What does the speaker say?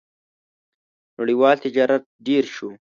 • نړیوال تجارت ډېر شو.